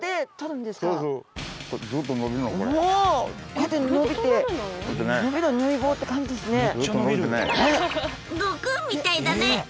こうやって伸びて悟空みたいだね！